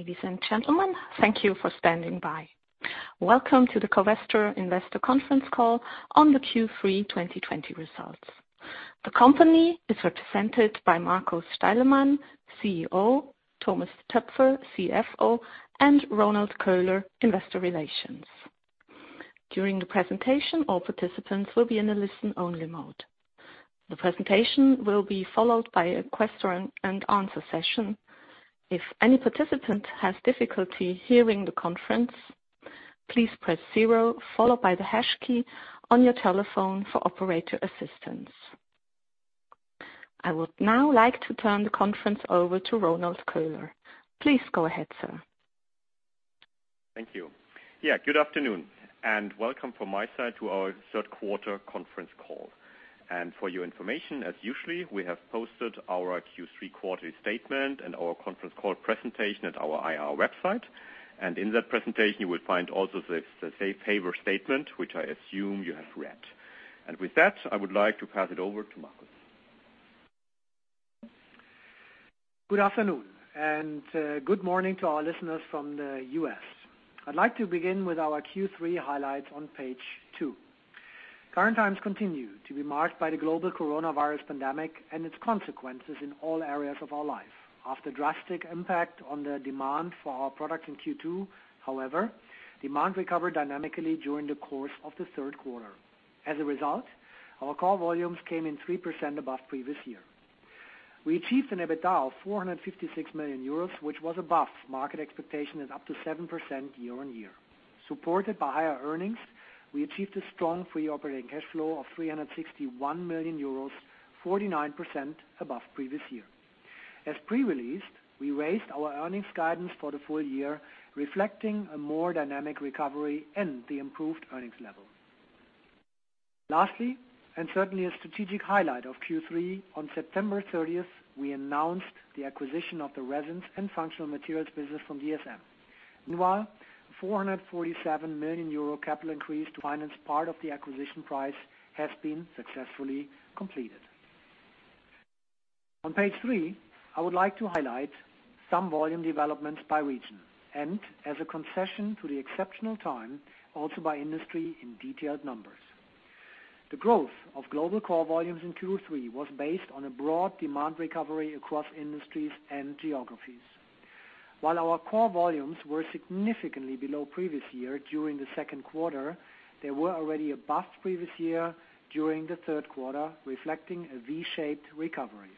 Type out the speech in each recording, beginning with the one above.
Ladies and gentlemen, thank you for standing by. Welcome to the Covestro Investor Conference Call on the Q3 2020 results. The company is represented by Markus Steilemann, CEO, Thomas Toepfer, CFO, and Ronald Köhler, Head of Investor Relations. During the presentation, all participants will be in a listen-only mode. The presentation will be followed by a question and answer session. If any participant has difficulty hearing the conference, please press zero followed by the hash key on your telephone for operator assistance. I would now like to turn the conference over to Ronald Köhler. Please go ahead, sir. Thank you. Yeah, good afternoon, welcome from my side to our third quarter conference call. For your information, as usually, we have posted our Q3 quarterly statement and our conference call presentation at our IR website. In that presentation, you will find also the safe harbor statement, which I assume you have read. With that, I would like to pass it over to Markus. Good afternoon, and good morning to our listeners from the U.S. I'd like to begin with our Q3 highlights on page two. Current times continue to be marked by the global coronavirus pandemic and its consequences in all areas of our life. After drastic impact on the demand for our product in Q2, however, demand recovered dynamically during the course of the third quarter. As a result, our core volumes came in 3% above previous year. We achieved an EBITDA of 456 million euros, which was above market expectation and up to 7% year-on-year. Supported by higher earnings, we achieved a strong free operating cash flow of 361 million euros, 49% above previous year. As pre-released, we raised our earnings guidance for the full year, reflecting a more dynamic recovery and the improved earnings level. Lastly, and certainly a strategic highlight of Q3, on September 30th, we announced the acquisition of the resins and functional materials business from DSM. Meanwhile, the 447 million euro capital increase to finance part of the acquisition price has been successfully completed. On page three, I would like to highlight some volume developments by region, and as a concession to the exceptional time, also by industry in detailed numbers. The growth of global core volumes in Q3 was based on a broad demand recovery across industries and geographies. While our core volumes were significantly below previous year during the second quarter, they were already above previous year during the third quarter, reflecting a V-shaped recovery.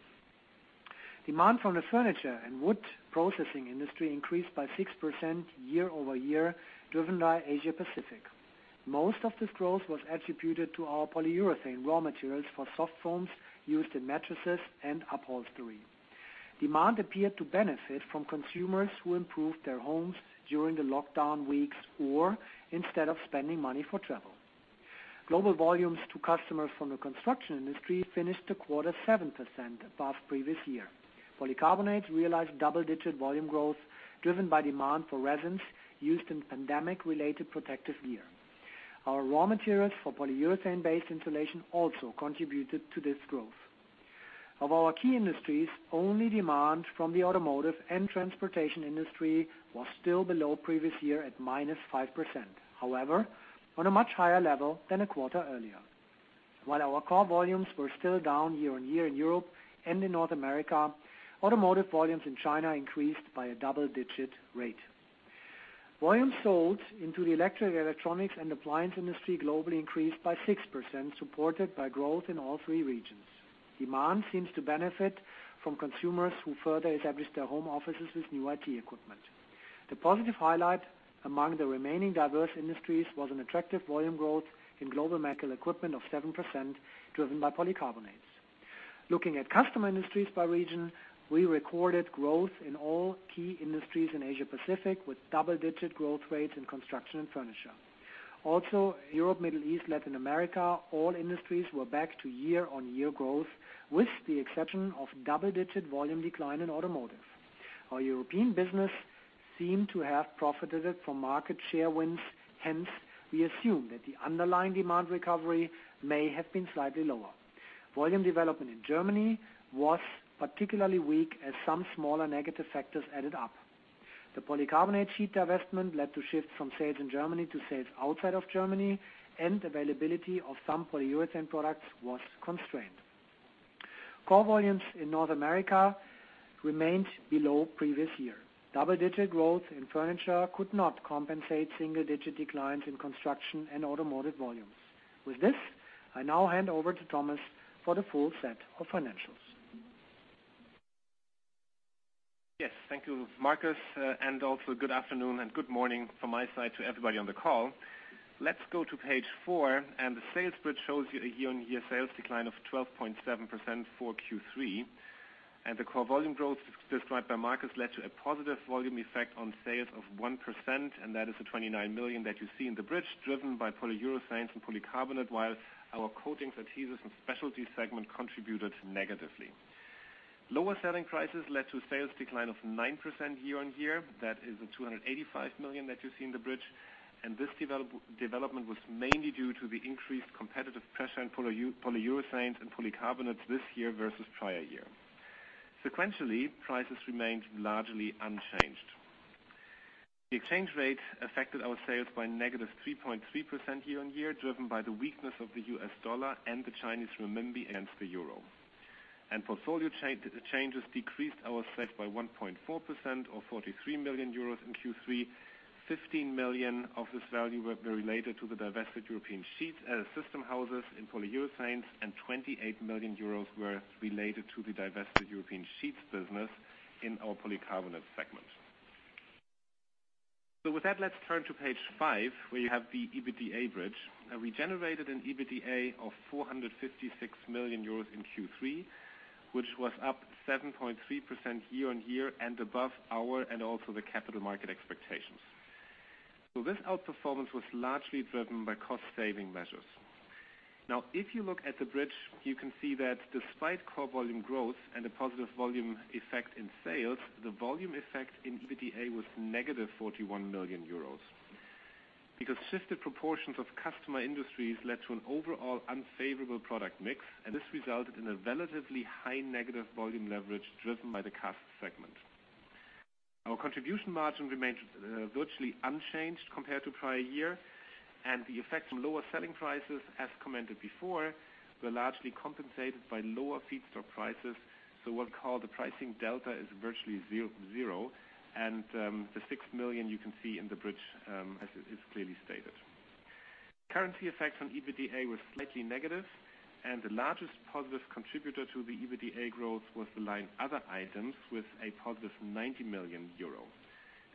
Demand from the furniture and wood processing industry increased by 6% year-over-year, driven by Asia-Pacific. Most of this growth was attributed to our polyurethane raw materials for soft foams used in mattresses and upholstery. Demand appeared to benefit from consumers who improved their homes during the lockdown weeks or instead of spending money for travel. Global volumes to customers from the construction industry finished the quarter 7% above previous year. Polycarbonate realized double-digit volume growth driven by demand for resins used in pandemic-related protective gear. Our raw materials for polyurethane-based insulation also contributed to this growth. Of our key industries, only demand from the automotive and transportation industry was still below previous year at -5%. However, on a much higher level than a quarter earlier. While our core volumes were still down year-on-year in Europe and in North America, automotive volumes in China increased by a double-digit rate. Volume sold into the electric, electronics, and appliance industry globally increased by 6%, supported by growth in all three regions. Demand seems to benefit from consumers who further established their home offices with new IT equipment. The positive highlight among the remaining diverse industries was an attractive volume growth in global medical equipment of 7%, driven by polycarbonates. Looking at customer industries by region, we recorded growth in all key industries in Asia-Pacific with double-digit growth rates in construction and furniture. Europe, Middle East, Latin America, all industries were back to year-on-year growth with the exception of double-digit volume decline in automotive. Our European business seemed to have profited from market share wins, hence, we assume that the underlying demand recovery may have been slightly lower. Volume development in Germany was particularly weak as some smaller negative factors added up. The polycarbonate sheet divestment led to shifts from sales in Germany to sales outside of Germany, and availability of some polyurethane products was constrained. Core volumes in North America remained below previous year. Double-digit growth in furniture could not compensate single-digit declines in construction and automotive volumes. With this, I now hand over to Thomas for the full set of financials. Yes. Thank you, Markus, and also good afternoon and good morning from my side to everybody on the call. Let's go to page four. The sales bridge shows you a year-on-year sales decline of 12.7% for Q3. The core volume growth described by Markus led to a positive volume effect on sales of 1%, and that is the 29 million that you see in the bridge, driven by polyurethanes and polycarbonate, while our Coatings, Adhesives, and Specialties segment contributed negatively. Lower selling prices led to a sales decline of 9% year-on-year. That is the 285 million that you see in the bridge. This development was mainly due to the increased competitive pressure in polyurethanes and polycarbonates this year versus prior year. Sequentially, prices remained largely unchanged. The exchange rate affected our sales by -3.3% year-on-year, driven by the weakness of the U.S. dollar and the Chinese RMB against the euro. Portfolio changes decreased our sales by 1.4%, or 43 million euros in Q3. 15 million of this value were related to the divested European system houses in polyurethanes, and 28 million euros were related to the divested European sheets business in our Polycarbonate segment. With that, let's turn to page five, where you have the EBITDA bridge. We generated an EBITDA of 456 million euros in Q3, which was up 7.3% year-on-year and above our and also the capital market expectations. This outperformance was largely driven by cost-saving measures. If you look at the bridge, you can see that despite core volume growth and a positive volume effect in sales, the volume effect in EBITDA was negative 41 million euros. Shifted proportions of customer industries led to an overall unfavorable product mix, and this resulted in a relatively high negative volume leverage driven by the CAS segment. Our contribution margin remained virtually unchanged compared to prior year, and the effect from lower selling prices, as commented before, were largely compensated by lower feedstock prices. What we call the pricing delta is virtually zero, and the 6 million you can see in the bridge as is clearly stated. Currency effects on EBITDA were slightly negative, and the largest positive contributor to the EBITDA growth was the line other items with a positive 90 million euro.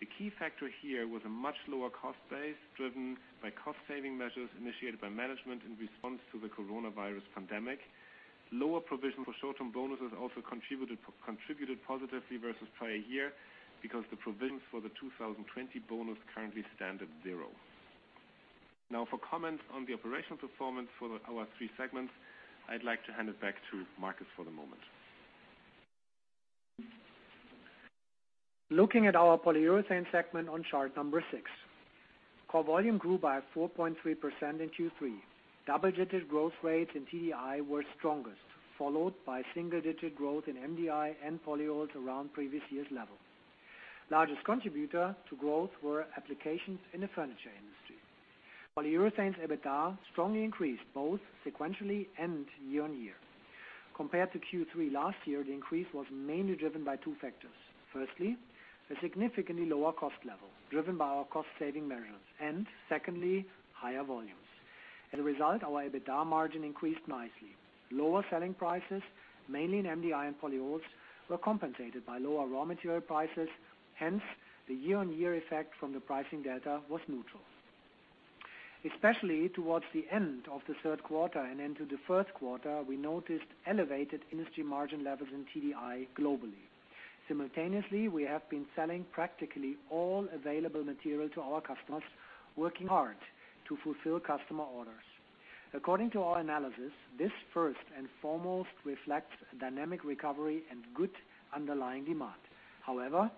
The key factor here was a much lower cost base driven by cost-saving measures initiated by management in response to the coronavirus pandemic. Lower provision for short-term bonuses also contributed positively versus prior year because the provisions for the 2020 bonus currently stand at zero. Now for comments on the operational performance for our three segments, I'd like to hand it back to Markus for the moment. Looking at our Polyurethanes segment on chart number six. Core volume grew by 4.3% in Q3. Double-digit growth rates in TDI were strongest, followed by single-digit growth in MDI and polyols around previous year's level. Largest contributor to growth were applications in the furniture industry. Polyurethanes EBITDA strongly increased both sequentially and year-on-year. Compared to Q3 last year, the increase was mainly driven by two factors. Firstly, a significantly lower cost level driven by our cost-saving measures, and secondly, higher volumes. As a result, our EBITDA margin increased nicely. Lower selling prices, mainly in MDI and polyols, were compensated by lower raw material prices. Hence, the year-on-year effect from the pricing delta was neutral. Especially towards the end of the third quarter and into the fourth quarter, we noticed elevated industry margin levels in TDI globally. Simultaneously, we have been selling practically all available material to our customers, working hard to fulfill customer orders. According to our analysis, this first and foremost reflects a dynamic recovery and good underlying demand. However,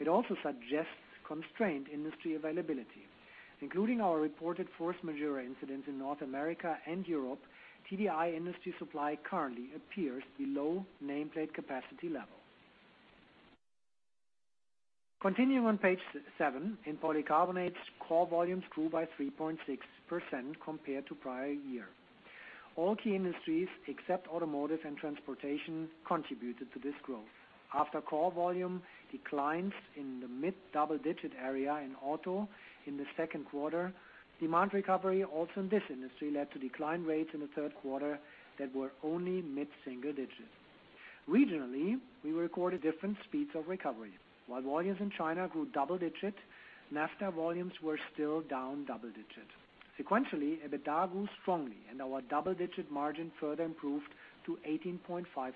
it also suggests constrained industry availability, including our reported force majeure incidents in North America and Europe. TDI industry supply currently appears below nameplate capacity level. Continuing on page seven, in polycarbonates, core volumes grew by 3.6% compared to prior year. All key industries except automotive and transportation contributed to this growth. After core volume declines in the mid-double digit area in auto in the second quarter, demand recovery also in this industry led to decline rates in the third quarter that were only mid-single digits. Regionally, we recorded different speeds of recovery. While volumes in China grew double digits, NAFTA volumes were still down double digits. Sequentially, EBITDA grew strongly and our double-digit margin further improved to 18.5%.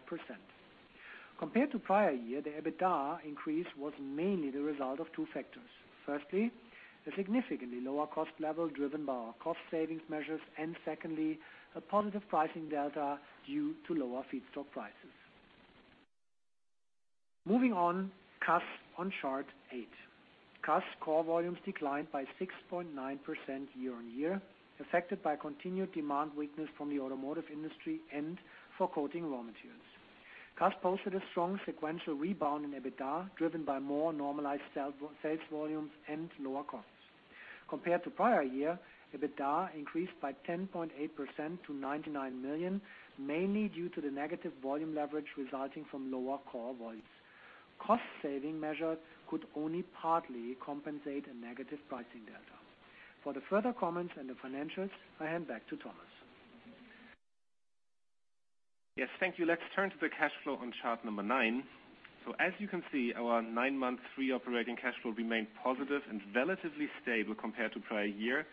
Compared to prior year, the EBITDA increase was mainly the result of two factors. Firstly, a significantly lower cost level driven by our cost-saving measures, and secondly, a positive pricing delta due to lower feedstock prices. Moving on, CAS on chart 8. CAS core volumes declined by 6.9% year-on-year, affected by continued demand weakness from the automotive industry and for coating raw materials. CAS posted a strong sequential rebound in EBITDA, driven by more normalized sales volumes and lower costs. Compared to prior year, EBITDA increased by 10.8% to 99 million, mainly due to the negative volume leverage resulting from lower core volumes. Cost-saving measures could only partly compensate a negative pricing delta. For the further comments and the financials, I hand back to Thomas. Yes. Thank you. Let's turn to the cash flow on chart number nine. As you can see, our nine-month free operating cash flow remained positive and relatively stable compared to prior year.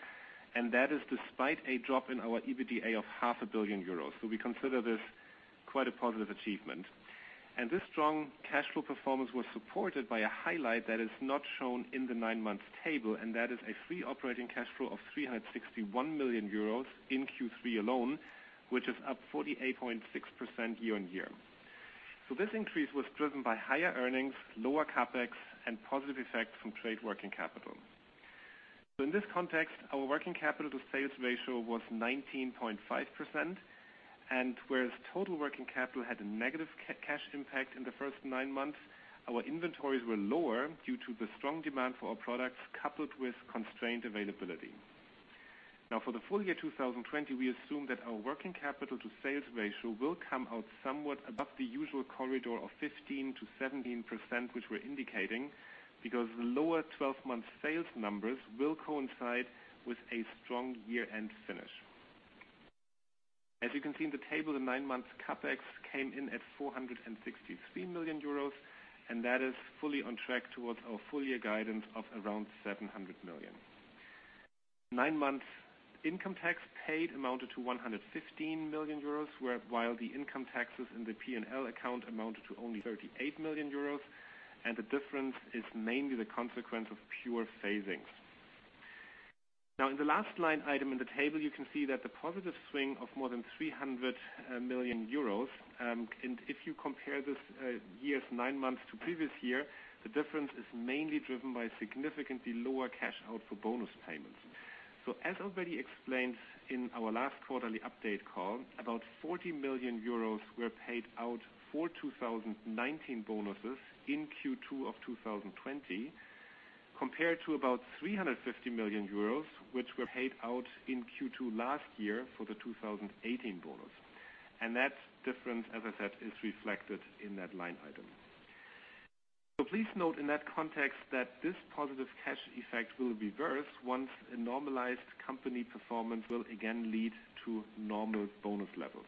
That is despite a drop in our EBITDA of 500 million euros. We consider this quite a positive achievement. This strong cash flow performance was supported by a highlight that is not shown in the nine-month table, and that is a free operating cash flow of 361 million euros in Q3 alone, which is up 48.6% year-on-year. This increase was driven by higher earnings, lower CapEx, and positive effect from trade working capital. In this context, our working capital to sales ratio was 19.5%. Whereas total working capital had a negative cash impact in the first nine months, our inventories were lower due to the strong demand for our products, coupled with constrained availability. For the full year 2020, we assume that our working capital to sales ratio will come out somewhat above the usual corridor of 15%-17% which we're indicating because the lower 12-month sales numbers will coincide with a strong year-end finish. As you can see in the table, the nine-month CapEx came in at 463 million euros, and that is fully on track towards our full-year guidance of around 700 million. Nine months income tax paid amounted to 115 million euros, while the income taxes in the P&L account amounted to only 38 million euros, the difference is mainly the consequence of pure phasings. Now, in the last line item in the table, you can see that the positive swing of more than 300 million euros, and if you compare this year's nine months to previous year, the difference is mainly driven by significantly lower cash out for bonus payments. As already explained in our last quarterly update call, about 40 million euros were paid out for 2019 bonuses in Q2 2020, compared to about 350 million euros, which were paid out in Q2 last year for the 2018 bonus. That difference, as I said, is reflected in that line item. Please note in that context that this positive cash effect will reverse once a normalized company performance will again lead to normal bonus levels.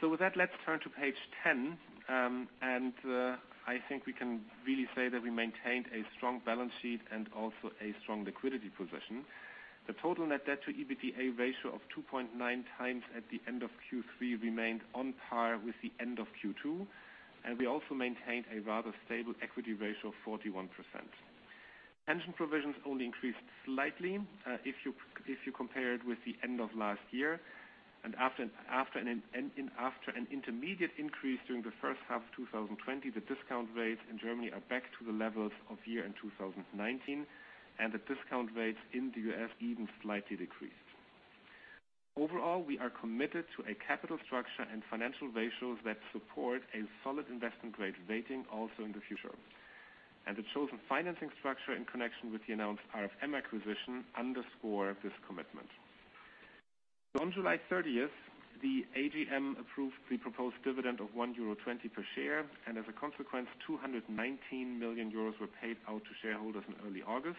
With that, let's turn to page 10. I think we can really say that we maintained a strong balance sheet and also a strong liquidity position. The total net debt to EBITDA ratio of 2.9x at the end of Q3 remained on par with the end of Q2, and we also maintained a rather stable equity ratio of 41%. Pension provisions only increased slightly, if you compare it with the end of last year, and after an intermediate increase during the first half of 2020, the discount rates in Germany are back to the levels of year-end 2019, and the discount rates in the U.S. even slightly decreased. Overall, we are committed to a capital structure and financial ratios that support a solid investment-grade rating also in the future. The chosen financing structure in connection with the announced RFM acquisition underscore this commitment. On July 30th, the AGM approved the proposed dividend of 1.20 euro per share, and as a consequence, 219 million euros were paid out to shareholders in early August.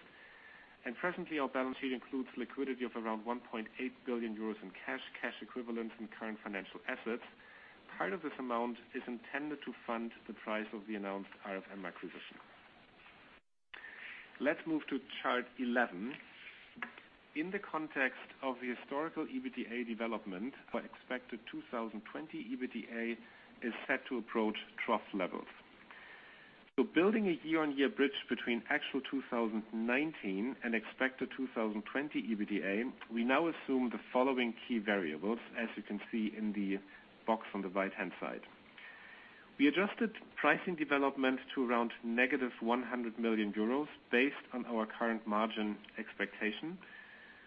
Presently, our balance sheet includes liquidity of around 1.8 billion euros in cash equivalents, and current financial assets. Part of this amount is intended to fund the price of the announced RFM acquisition. Let's move to chart 11. In the context of the historical EBITDA development, our expected 2020 EBITDA is set to approach trough levels. Building a year-on-year bridge between actual 2019 and expected 2020 EBITDA, we now assume the following key variables, as you can see in the box on the right-hand side. We adjusted pricing development to around -100 million euros based on our current margin expectation.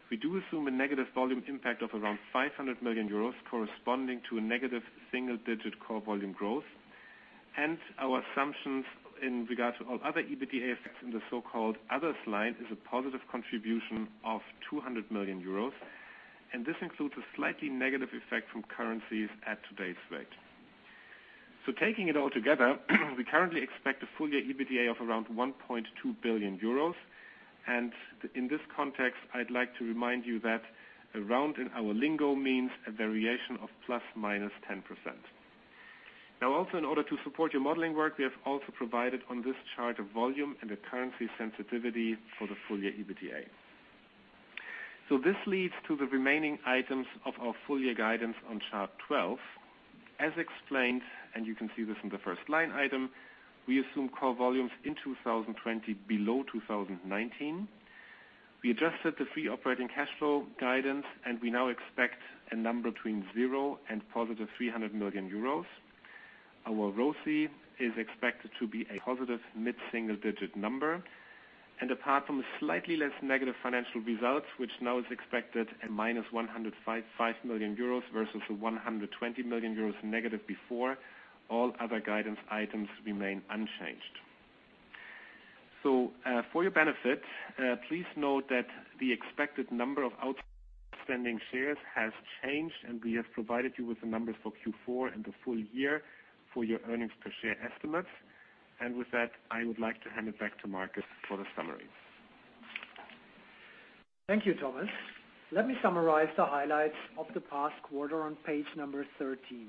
We do assume a negative volume impact of around 500 million euros, corresponding to a negative single-digit core volume growth. Our assumptions in regards to all other EBITDA effects in the so-called other slide is a positive contribution of 200 million euros, and this includes a slightly negative effect from currencies at today's rate. Taking it all together, we currently expect a full year EBITDA of around 1.2 billion euros. In this context, I'd like to remind you that around in our lingo means a variation of ±10%. Also in order to support your modeling work, we have also provided on this chart a volume and a currency sensitivity for the full year EBITDA. This leads to the remaining items of our full-year guidance on chart 12. As explained, and you can see this in the first-line item, we assume core volumes in 2020 below 2019. We adjusted the free operating cash flow guidance, and we now expect a number between 0 and positive 300 million euros. Our ROCE is expected to be a positive mid-single digit number. Apart from a slightly less negative financial result, which now is expected at -105 million euros versus -120 million euros before, all other guidance items remain unchanged. For your benefit, please note that the expected number of outstanding shares has changed, and we have provided you with the numbers for Q4 and the full year for your earnings per share estimates. With that, I would like to hand it back to Markus for the summary. Thank you, Thomas. Let me summarize the highlights of the past quarter on page number 13.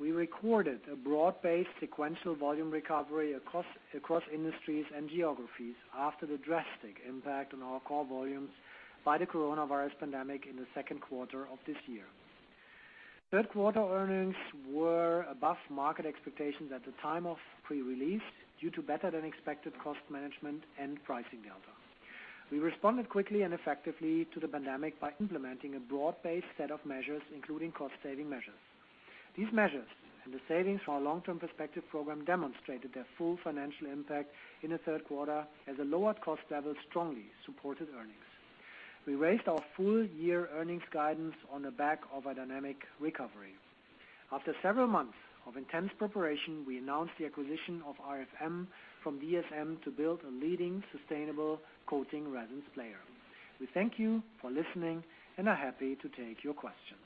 We recorded a broad-based sequential volume recovery across industries and geographies after the drastic impact on our core volumes by the coronavirus pandemic in the second quarter of this year. Third quarter earnings were above market expectations at the time of pre-release due to better-than-expected cost management and pricing delta. We responded quickly and effectively to the pandemic by implementing a broad-based set of measures, including cost-saving measures. These measures and the savings from our long-term perspective program demonstrated their full financial impact in the third quarter as a lowered cost level strongly supported earnings. We raised our full year earnings guidance on the back of a dynamic recovery. After several months of intense preparation, we announced the acquisition of RFM from DSM to build a leading sustainable coating resins player. We thank you for listening and are happy to take your questions.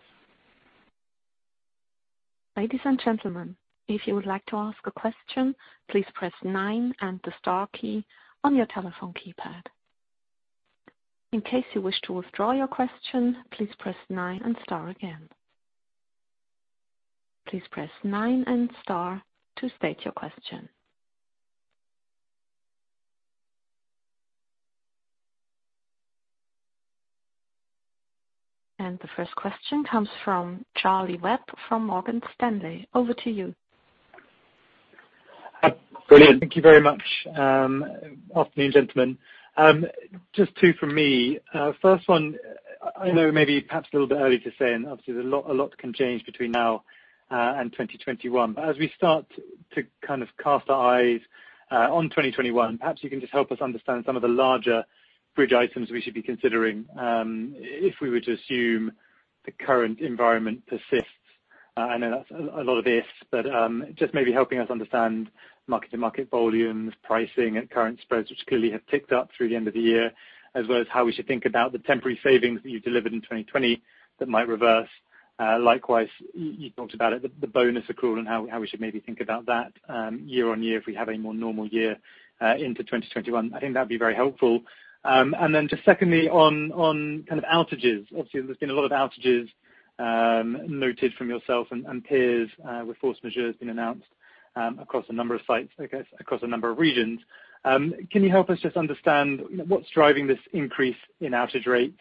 Ladies and gentlemen, if you would like to ask a question, please press nine and the star key on your telephone keypad. In case you wish to withdraw your question, please press nine and star again. Please press nine and star to state your question. The first question comes from Charlie Webb from Morgan Stanley. Over to you. Brilliant. Thank you very much. Afternoon, gentlemen. Just two from me. First one, I know maybe perhaps a little bit early to say, and obviously there's a lot can change between now and 2021, but as we start to kind of cast our eyes on 2021, perhaps you can just help us understand some of the larger bridge items we should be considering, if we were to assume the current environment persists. I know that's a lot of ifs, but just maybe helping us understand market-to-market volumes, pricing, and current spreads, which clearly have ticked up through the end of the year, as well as how we should think about the temporary savings that you've delivered in 2020 that might reverse. Likewise, you talked about it, the bonus accrual and how we should maybe think about that year on year if we have a more normal year into 2021. I think that'd be very helpful. Then just secondly, on kind of outages. Obviously, there's been a lot of outages noted from yourself and peers where force majeure has been announced across a number of sites, I guess, across a number of regions. Can you help us just understand what's driving this increase in outage rates?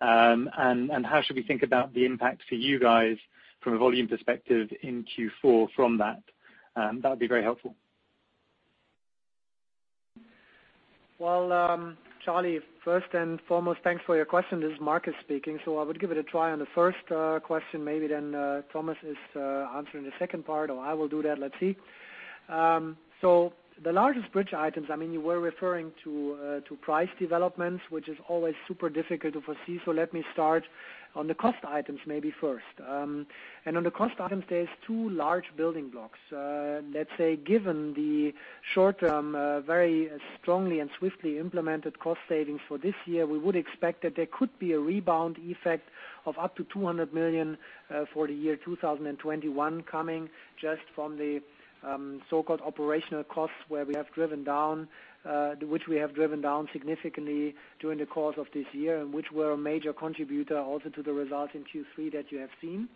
How should we think about the impact for you guys from a volume perspective in Q4 from that? That'd be very helpful. Well, Charlie, first and foremost, thanks for your question. This is Markus speaking. I would give it a try on the first question. Maybe Thomas is answering the second part. I will do that. Let's see. The largest bridge items, you were referring to price developments, which is always super difficult to foresee. Let me start on the cost items maybe first. On the cost items, there's two large building blocks. Let's say given the short-term, very strongly and swiftly implemented cost savings for this year, we would expect that there could be a rebound effect of up to 200 million for the year 2021 coming just from the so-called operational costs, which we have driven down significantly during the course of this year and which were a major contributor also to the results in Q3 that you have seen.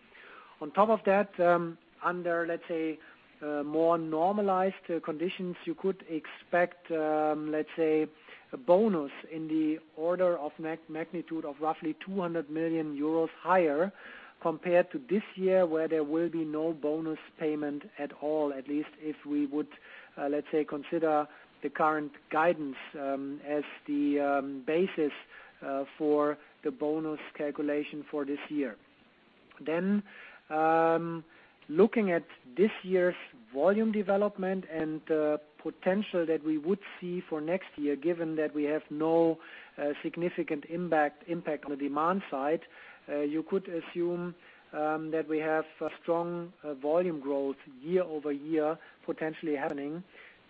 On top of that, under, let's say, more normalized conditions, you could expect a bonus in the order of magnitude of roughly 200 million euros higher compared to this year, where there will be no bonus payment at all, at least if we would consider the current guidance as the basis for the bonus calculation for this year. Looking at this year's volume development and potential that we would see for next year, given that we have no significant impact on the demand side, you could assume that we have strong volume growth year-over-year potentially happening.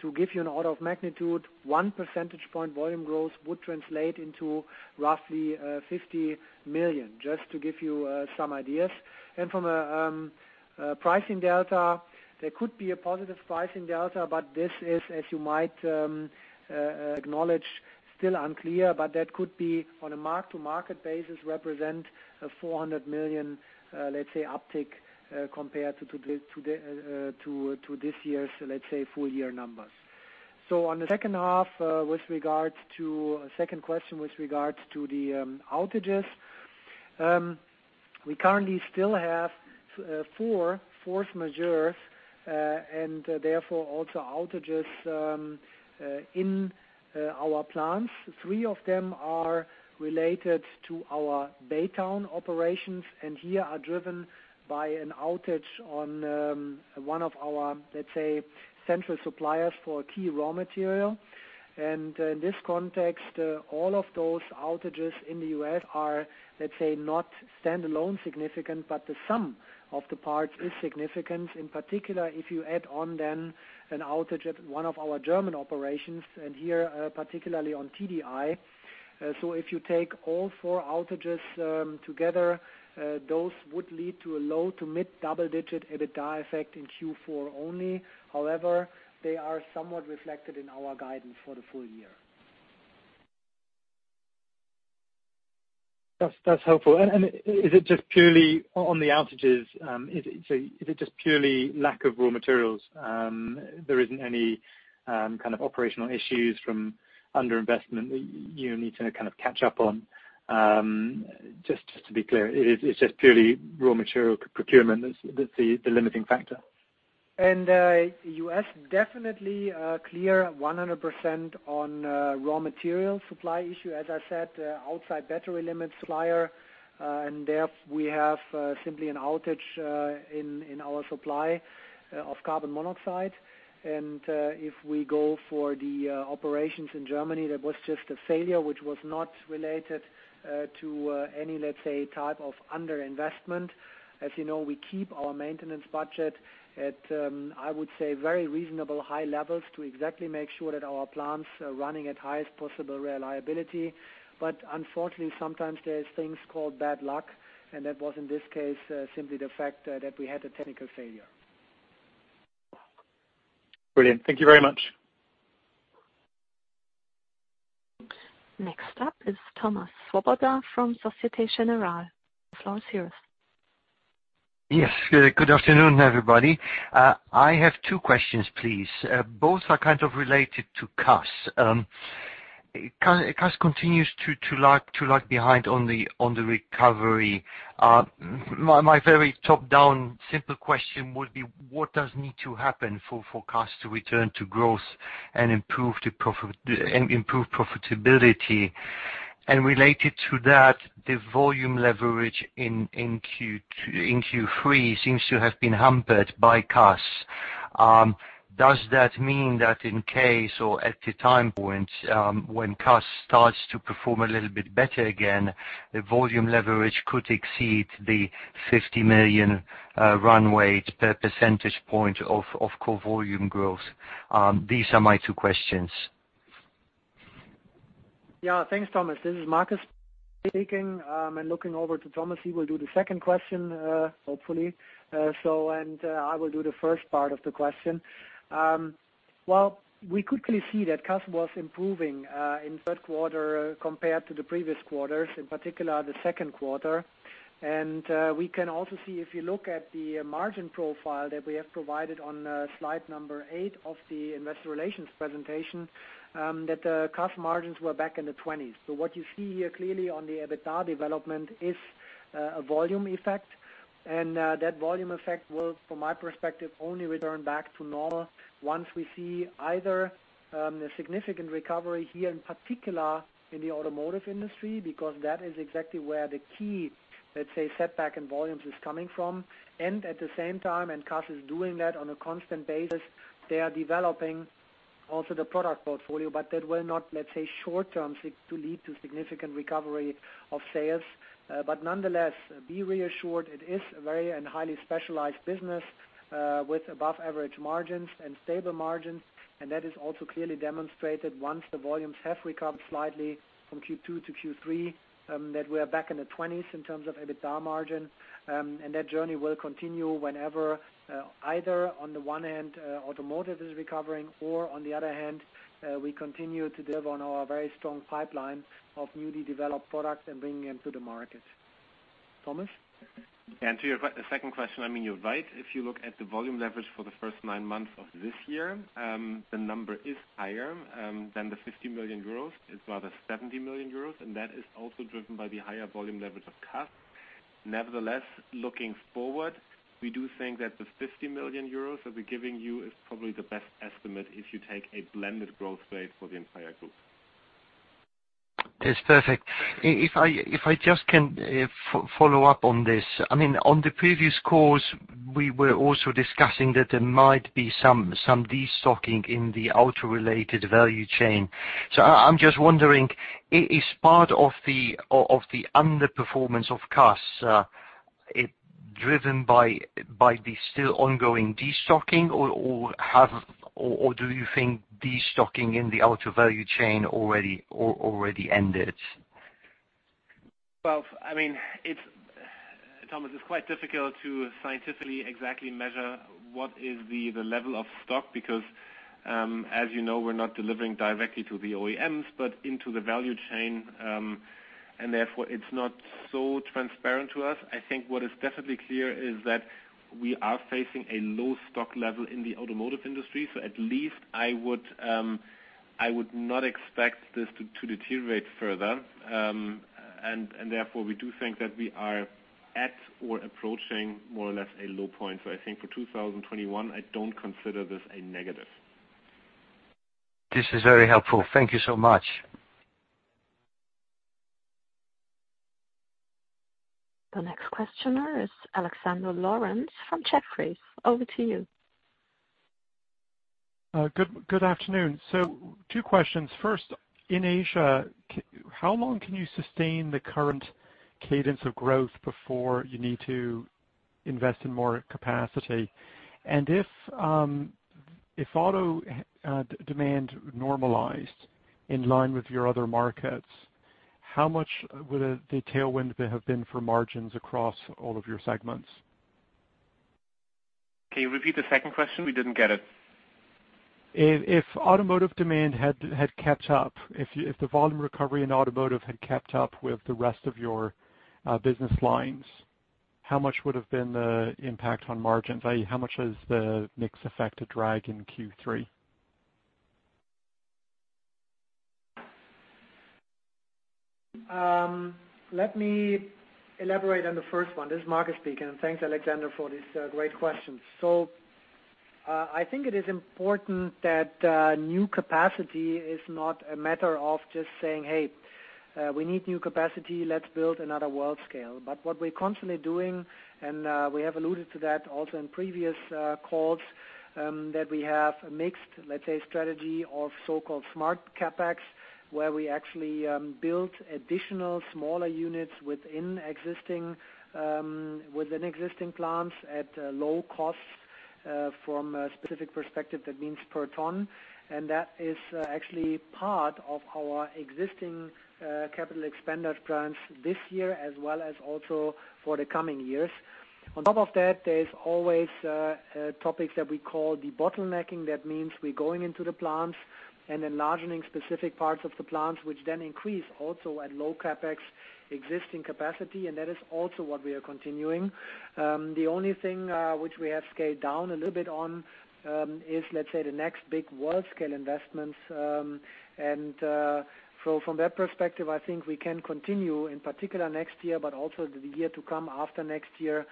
To give you an order of magnitude, 1 percentage point volume growth would translate into roughly 50 million, just to give you some ideas. From a pricing delta, there could be a positive pricing delta, but this is, as you might acknowledge, still unclear, but that could be on a mark-to-market basis, represent a 400 million uptick compared to this year's full year numbers. On the second half, second question with regards to the outages. We currently still have four force majeure, and therefore also outages in our plants. Three of them are related to our Baytown operations, and here are driven by an outage on one of our central suppliers for a key raw material. In this context, all of those outages in the U.S. are not standalone significant, but the sum of the parts is significant, in particular if you add on then an outage at one of our German operations, and here, particularly on TDI. If you take all four outages together, those would lead to a low to mid double-digit EBITDA effect in Q4 only. However, they are somewhat reflected in our guidance for the full year. That's helpful. On the outages, is it just purely lack of raw materials? There isn't any kind of operational issues from underinvestment that you need to kind of catch up on? Just to be clear, it's just purely raw material procurement that's the limiting factor? US definitely clear 100% on raw material supply issue. As I said, outside battery limit supplier, and there we have simply an outage in our supply of carbon monoxide. If we go for the operations in Germany, that was just a failure, which was not related to any, let's say, type of under-investment. As you know, we keep our maintenance budget at, I would say, very reasonable high levels to exactly make sure that our plants are running at highest possible reliability. Unfortunately, sometimes there's things called bad luck, and that was, in this case, simply the fact that we had a technical failure. Brilliant. Thank you very much. Next up is Thomas Swoboda from Société Générale. The floor is yours. Yes. Good afternoon, everybody. I have two questions, please. Both are kind of related to CAS. CAS continues to lag behind on the recovery. My very top-down simple question would be, what does need to happen for CAS to return to growth and improve profitability? Related to that, the volume leverage in Q3 seems to have been hampered by CAS. Does that mean that in case or at the time point when CAS starts to perform a little bit better again, the volume leverage could exceed the 50 million runway per percentage point of core volume growth? These are my two questions. Thanks, Thomas. This is Markus speaking, and looking over to Thomas, he will do the second question, hopefully. I will do the first part of the question. Well, we quickly see that CAS was improving in third quarter compared to the previous quarters, in particular the second quarter. We can also see, if you look at the margin profile that we have provided on slide number eight of the Investor Relations presentation, that the CAS margins were back in the 20s. What you see here clearly on the EBITDA development is a volume effect, and that volume effect will, from my perspective, only return back to normal once we see either a significant recovery here, in particular in the automotive industry, because that is exactly where the key, let's say, setback in volumes is coming from. At the same time, CAS is doing that on a constant basis, they are developing also the product portfolio, but that will not, let's say, short term, to lead to significant recovery of sales. Nonetheless, be reassured it is a very and highly specialized business with above-average margins and stable margins, and that is also clearly demonstrated once the volumes have recovered slightly from Q2 to Q3, that we are back in the 20s in terms of EBITDA margin. That journey will continue whenever either, on the one hand, automotive is recovering or, on the other hand, we continue to deliver on our very strong pipeline of newly developed products and bringing them to the market. Thomas? To your second question, I mean, you're right. If you look at the volume leverage for the first nine months of this year, the number is higher than the 50 million euros. It's rather 70 million euros, and that is also driven by the higher volume leverage of CAS. Nevertheless, looking forward, we do think that the 50 million euros that we're giving you is probably the best estimate if you take a blended growth rate for the entire group. It's perfect. If I just can follow up on this. On the previous calls, we were also discussing that there might be some de-stocking in the auto-related value chain. I'm just wondering, is part of the underperformance of CAS driven by the still ongoing de-stocking, or do you think de-stocking in the auto value chain already ended? Well, I mean, Thomas, it's quite difficult to scientifically exactly measure what is the level of stock, because as you know, we're not delivering directly to the OEMs but into the value chain. Therefore, it's not so transparent to us. I think what is definitely clear is that we are facing a low stock level in the automotive industry. At least I would not expect this to deteriorate further. Therefore, we do think that we are at or approaching more or less a low point. I think for 2021, I don't consider this a negative. This is very helpful. Thank you so much. The next questioner is Alexander Laurence from Jefferies. Over to you. Good afternoon. Two questions. First, in Asia, how long can you sustain the current cadence of growth before you need to invest in more capacity? If auto demand normalized in line with your other markets, how much would the tailwind have been for margins across all of your segments? Can you repeat the second question? We didn't get it. If automotive demand had kept up, if the volume recovery in automotive had kept up with the rest of your business lines, how much would have been the impact on margins, i.e., how much has the mix affected drag in Q3? Let me elaborate on the first one. This is Markus speaking, and thanks, Alexander, for these great questions. I think it is important that new capacity is not a matter of just saying, "Hey, we need new capacity. Let's build another world scale." What we're constantly doing, and we have alluded to that also in previous calls, that we have a mixed, let's say, strategy of so-called smart CapEx, where we actually build additional smaller units within existing plants at low costs. From a specific perspective, that means per ton, and that is actually part of our existing capital expenditure plans this year as well as also for the coming years. On top of that, there's always topics that we call the bottlenecking. That means we're going into the plants and enlarging specific parts of the plants, which then increase also at low CapEx existing capacity, and that is also what we are continuing. The only thing which we have scaled down a little bit on is, let's say, the next big world scale investments. From that perspective, I think we can continue in particular next year, but also the year to come after next year,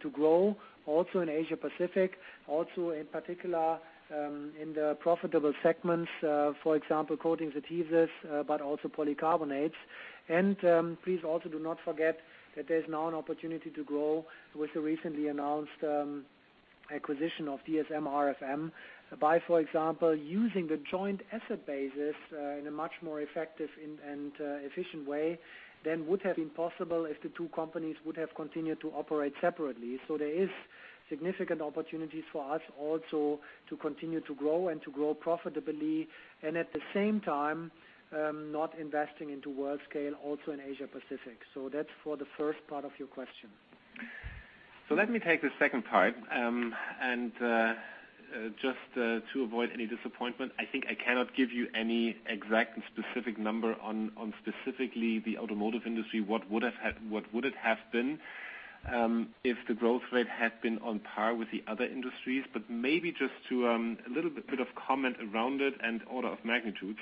to grow also in Asia Pacific, also in particular, in the profitable segments, for example, Coatings, Adhesives, but also Polycarbonates. Please also do not forget that there's now an opportunity to grow with the recently announced acquisition of DSM-RFM by, for example, using the joint asset bases in a much more effective and efficient way than would have been possible if the two companies would have continued to operate separately. There is significant opportunities for us also to continue to grow and to grow profitably and at the same time, not investing into world scale also in Asia Pacific. That's for the first part of your question. Let me take the second part. Just to avoid any disappointment, I think I cannot give you any exact and specific number on specifically the automotive industry, what would it have been, if the growth rate had been on par with the other industries, but maybe just a little bit of comment around it and order of magnitude.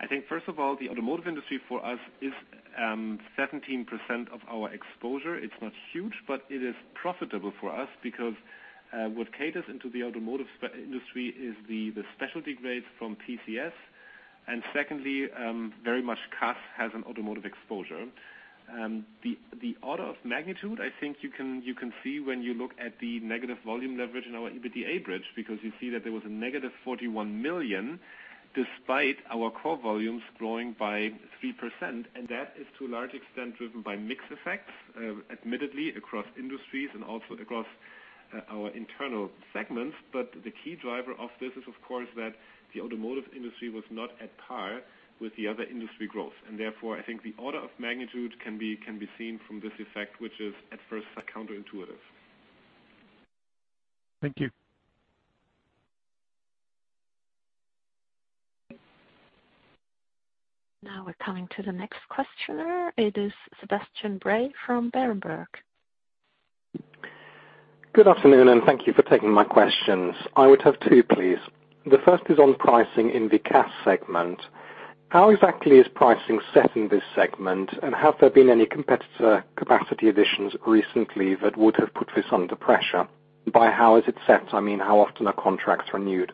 I think first of all, the automotive industry for us is 17% of our exposure. It is not huge, but it is profitable for us because what caters into the automotive industry is the specialty grades from PCS. Secondly, very much CAS has an automotive exposure. The order of magnitude, I think you can see when you look at the negative volume leverage in our EBITDA bridge, because you see that there was a -41 million, despite our core volumes growing by 3%. That is to a large extent driven by mix effects, admittedly, across industries and also across our internal segments. The key driver of this is, of course, that the automotive industry was not at par with the other industry growth. Therefore, I think the order of magnitude can be seen from this effect, which is at first counterintuitive. Thank you. Now we're coming to the next questioner. It is Sebastian Bray from Berenberg. Good afternoon, and thank you for taking my questions. I would have two, please. The first is on pricing in the CAS segment. How is at least pricing set in this segment, and have there been any competitor capacity additions recently that would have put this under pressure? By how is it set, I mean, how often are contracts renewed?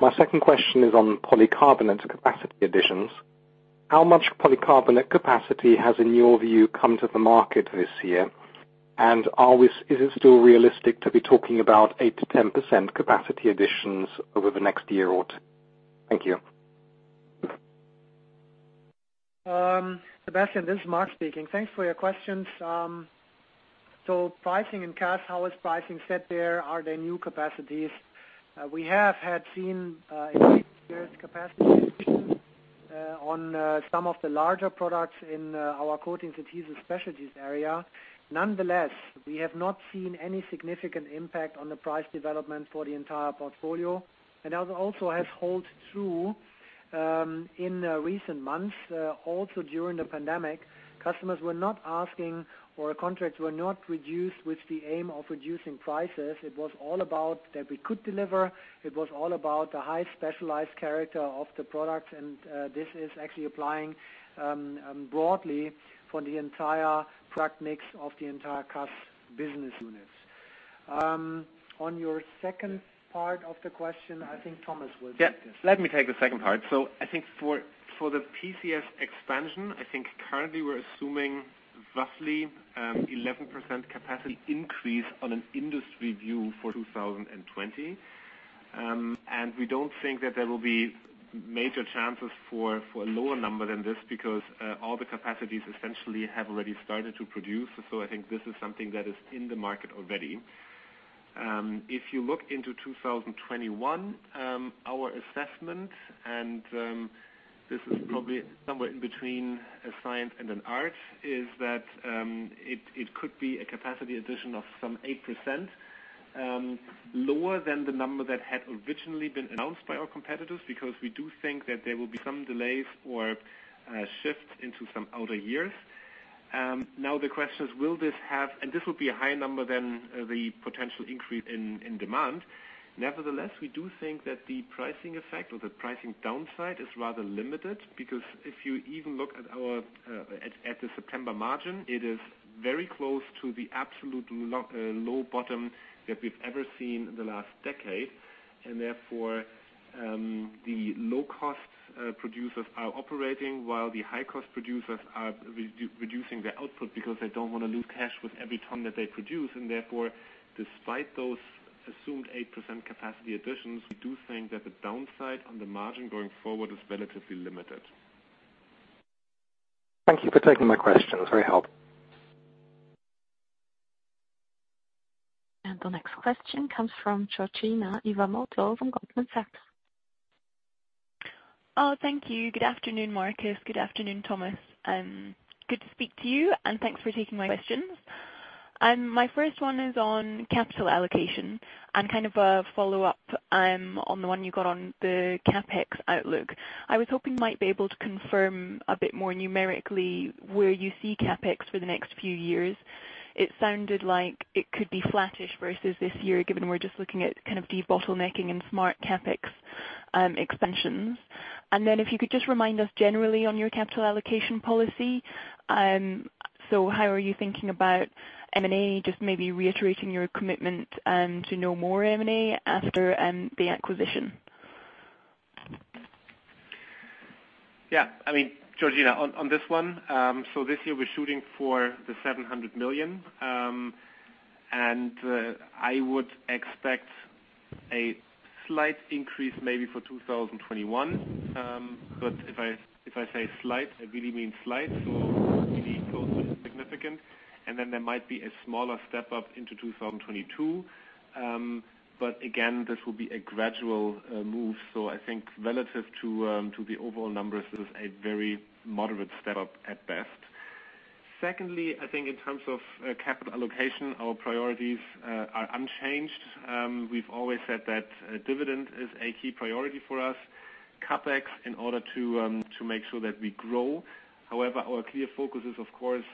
My second question is on polycarbonate capacity additions. How much polycarbonate capacity has, in your view, come to the market this year? Is it still realistic to be talking about 8%-10% capacity additions over the next year or two? Thank you. Sebastian, this is Markus speaking. Thanks for your questions. Pricing in CAS, how is pricing set there? Are there new capacities? We have had seen capacity additions on some of the larger products in our Coatings, Adhesives, Specialties area. Nonetheless, we have not seen any significant impact on the price development for the entire portfolio. That also has hold true in recent months. Also, during the pandemic, customers were not asking or contracts were not reduced with the aim of reducing prices. It was all about that we could deliver. It was all about the high specialized character of the products, and this is actually applying broadly for the entire product mix of the entire CAS business units. On your second part of the question, I think Thomas will take this. Yeah. Let me take the second part. I think for the PCS expansion, I think currently we're assuming roughly 11% capacity increase on an industry view for 2020. We don't think that there will be major chances for a lower number than this because all the capacities essentially have already started to produce. I think this is something that is in the market already. If you look into 2021, our assessment, and this is probably somewhere in between a science and an art, is that it could be a capacity addition of some 8%, lower than the number that had originally been announced by our competitors, because we do think that there will be some delays or shifts into some outer years. Now the question is, and this will be a higher number than the potential increase in demand. Nevertheless, we do think that the pricing effect or the pricing downside is rather limited, because if you even look at the September margin, it is very close to the absolute low bottom that we've ever seen in the last decade. Therefore, the low-cost producers are operating while the high-cost producers are reducing their output because they don't want to lose cash with every ton that they produce. Therefore, despite those assumed 8% capacity additions, we do think that the downside on the margin going forward is relatively limited. Thank you for taking my questions. Very helpful. The next question comes from Georgina Iwamoto from Goldman Sachs. Thank you. Good afternoon, Markus. Good afternoon, Thomas. Good to speak to you, and thanks for taking my questions. My first one is on capital allocation and kind of a follow-up on the one you got on the CapEx outlook. I was hoping you might be able to confirm a bit more numerically where you see CapEx for the next few years. It sounded like it could be flattish versus this year, given we're just looking at de-bottlenecking and smart CapEx expansions. If you could just remind us generally on your capital allocation policy. How are you thinking about M&A, just maybe reiterating your commitment to no more M&A after the acquisition? Yeah. Georgina, on this one, this year we're shooting for the 700 million. I would expect a slight increase maybe for 2021. If I say slight, I really mean slight, really close to insignificant, there might be a smaller step up into 2022. Again, this will be a gradual move. I think relative to the overall numbers, this is a very moderate step up at best. Secondly, I think in terms of capital allocation, our priorities are unchanged. We've always said that dividend is a key priority for us, CapEx, in order to make sure that we grow. However, our clear focus is of course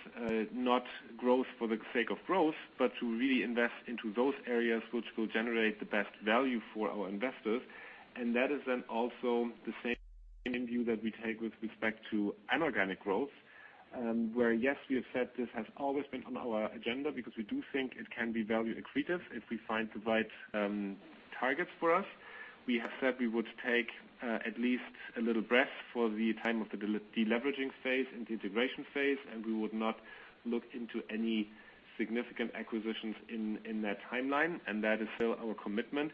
not growth for the sake of growth, but to really invest into those areas which will generate the best value for our investors. That is then also the same view that we take with respect to inorganic growth, where, yes, we have said this has always been on our agenda because we do think it can be value accretive if we find the right targets for us. We have said we would take at least a little breath for the time of the deleveraging phase and the integration phase, and we would not look into any significant acquisitions in that timeline, and that is still our commitment.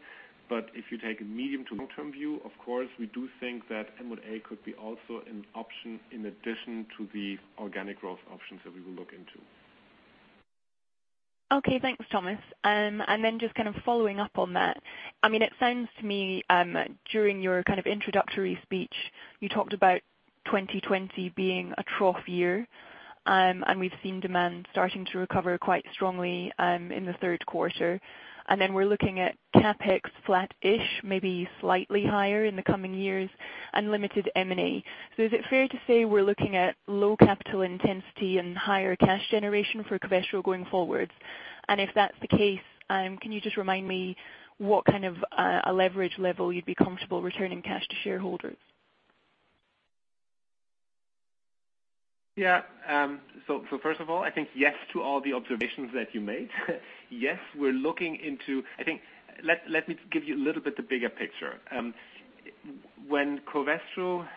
If you take a medium to long-term view, of course, we do think that M&A could be also an option in addition to the organic growth options that we will look into. Okay, thanks, Thomas. Then just kind of following up on that. It sounds to me, during your kind of introductory speech, you talked about 2020 being a trough year, and we've seen demand starting to recover quite strongly in the third quarter. Then we're looking at CapEx flattish, maybe slightly higher in the coming years, and limited M&A. Is it fair to say we're looking at low capital intensity and higher cash generation for Covestro going forward? If that's the case, can you just remind me what kind of a leverage level you'd be comfortable returning cash to shareholders? Yeah. First of all, I think yes to all the observations that you made. Let me give you a little bit the bigger picture. When Covestro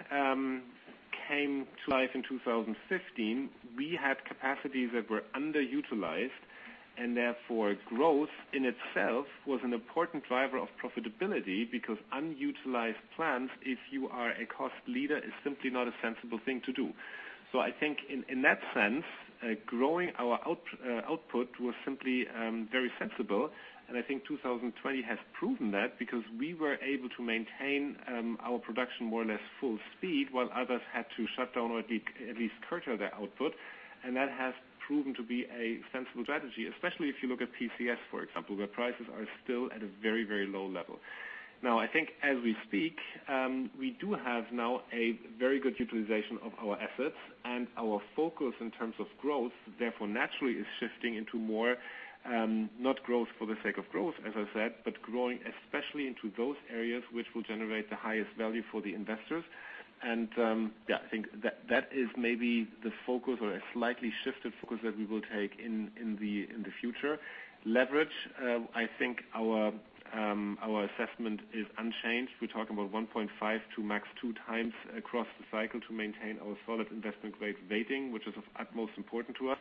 came to life in 2015, we had capacities that were underutilized, and therefore growth in itself was an important driver of profitability because unutilized plants, if you are a cost leader, is simply not a sensible thing to do. I think in that sense, growing our output was simply very sensible, and I think 2020 has proven that because we were able to maintain our production more or less full speed, while others had to shut down or at least curtail their output. That has proven to be a sensible strategy, especially if you look at PCS, for example, where prices are still at a very, very low level. I think as we speak, we do have now a very good utilization of our assets and our focus in terms of growth, therefore, naturally is shifting into more, not growth for the sake of growth, as I said, but growing especially into those areas which will generate the highest value for the investors. Yeah, I think that is maybe the focus or a slightly shifted focus that we will take in the future. Leverage, I think our assessment is unchanged. We're talking about 1.5x to max 2x across the cycle to maintain our solid investment grade rating, which is of utmost importance to us.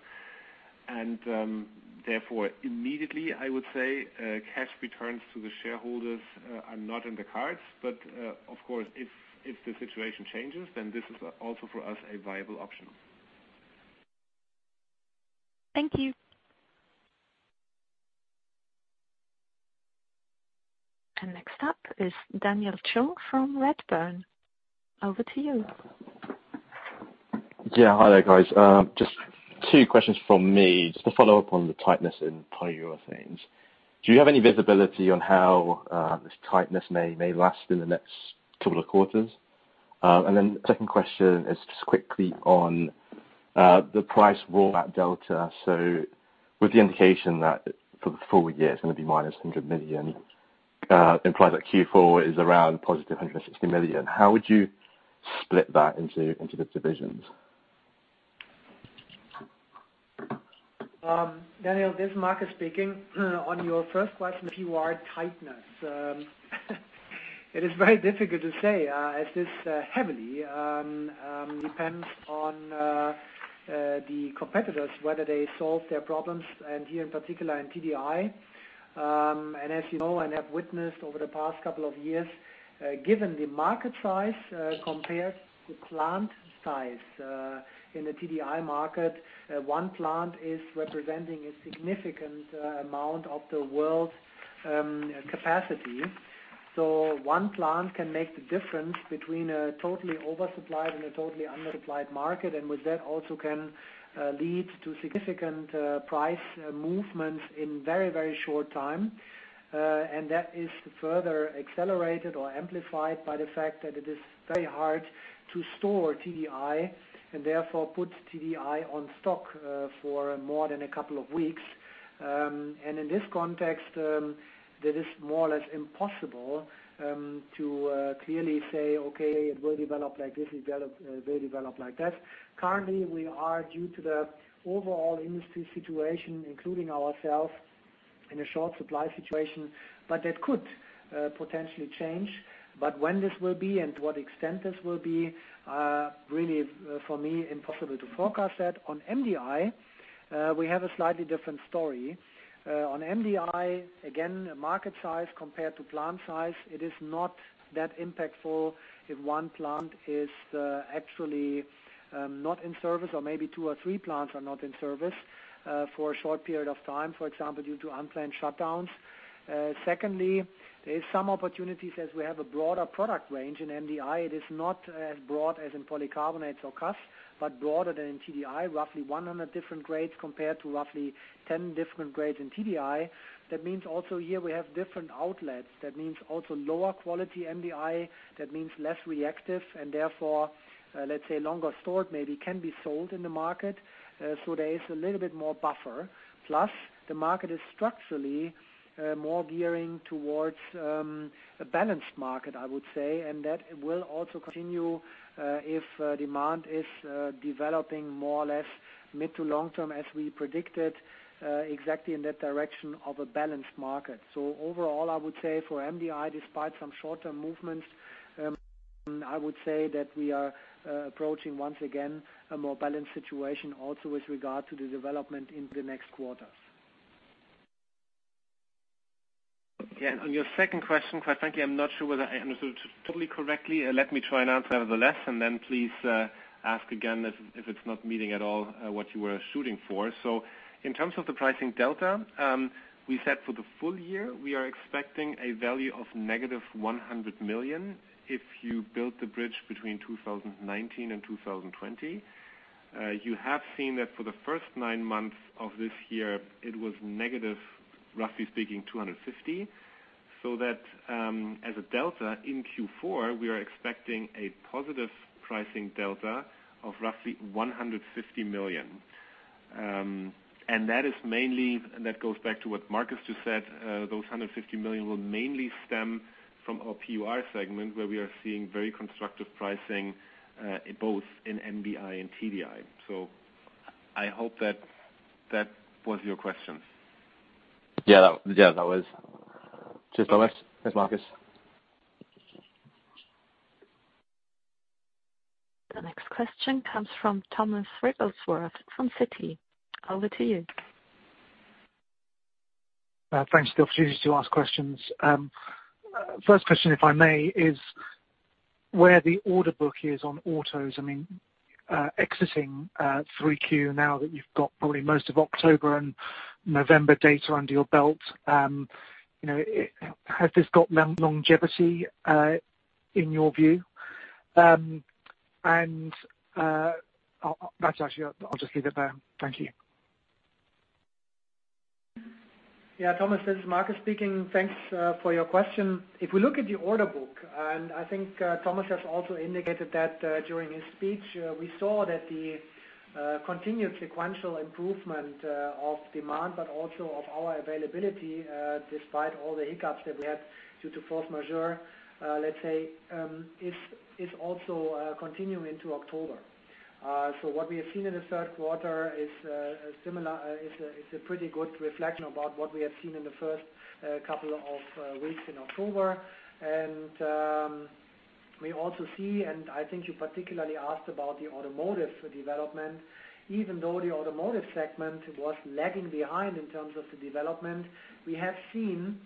Therefore, immediately, I would say, cash returns to the shareholders are not in the cards. Of course, if the situation changes, then this is also for us a viable option. Thank you. Next up is Daniel Chung from Redburn. Over to you. Yeah. Hi there, guys. Just two questions from me. Just to follow up on the tightness in polyurethanes. Do you have any visibility on how this tightness may last in the next couple of quarters? Second question is just quickly on the pricing delta. With the indication that for the full year it's going to be -100 million, implies that Q4 is around +160 million. How would you split that into the divisions? Daniel, this is Markus speaking. On your first question, if you are tightness, it is very difficult to say, as this heavily depends on the competitors, whether they solve their problems, and here in particular in TDI. As you know, and have witnessed over the past couple of years, given the market size compared to plant size in the TDI market, one plant is representing a significant amount of the world's capacity. One plant can make the difference between a totally oversupplied and a totally undersupplied market. With that, also can lead to significant price movements in very short time. That is further accelerated or amplified by the fact that it is very hard to store TDI, and therefore put TDI on stock for more than a couple of weeks. In this context, that is more or less impossible to clearly say, "Okay, it will develop like this, it will develop like that." Currently, we are due to the overall industry situation, including ourselves, in a short supply situation, but that could potentially change. When this will be and to what extent this will be, really for me, impossible to forecast that. On MDI, we have a slightly different story. On MDI, again, market size compared to plant size, it is not that impactful if one plant is actually not in service, or maybe two or three plants are not in service for a short period of time. For example, due to unplanned shutdowns. Secondly, there are some opportunities, as we have a broader product range in MDI. It is not as broad as in polycarbonates or CAS, but broader than in TDI, roughly 100 different grades compared to roughly 10 different grades in TDI. That means also here we have different outlets. That means also, lower quality MDI, that means less reactive and therefore, let's say, longer stored, maybe can be sold in the market. There is a little bit more buffer. The market is structurally more gearing towards a balanced market, I would say. That will also continue if demand is developing more or less mid to long term, as we predicted, exactly in that direction of a balanced market. Overall, I would say for MDI, despite some short-term movements, I would say that we are approaching, once again, a more balanced situation also with regard to the development in the next quarters. Yeah. On your second question, quite frankly, I'm not sure whether I understood totally correctly. Let me try and answer nevertheless, and then please ask again if it's not meeting at all what you were shooting for. In terms of the pricing delta, we said for the full year, we are expecting a value of -100 million. If you build the bridge between 2019 and 2020, you have seen that for the first nine months of this year, it was, roughly speaking, -250 million. That as a delta in Q4, we are expecting a pricing delta of roughly +150 million. That goes back to what Markus just said. Those 150 million will mainly stem from our PUR segment, where we are seeing very constructive pricing, both in MDI and TDI. I hope that was your question. Yeah, that was. Cheers to the rest. Thanks, Markus. The next question comes from Thomas Wrigglesworth from Citi. Over to you. Thanks for the opportunity to ask questions. First question, if I may, is where the order book is on autos. Exiting 3Q, now that you've got probably most of October and November data under your belt. Has this got longevity, in your view? That's actually I'll just leave it there. Thank you. Yeah. Thomas, this is Markus speaking. Thanks for your question. If we look at the order book, and I think Thomas has also indicated that during his speech, we saw that the continued sequential improvement of demand, but also of our availability, despite all the hiccups that we had due to force majeure, let's say, is also continuing into October. What we have seen in the third quarter is a pretty good reflection about what we have seen in the first couple of weeks in October. We also see, and I think you particularly asked about the automotive development, even though the automotive segment was lagging behind in terms of the development, we have seen